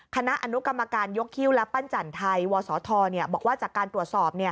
คณะอนุกรรมการยกคิ้วและปั้นจันทร์ไทยวศธบอกว่าจากการตรวจสอบ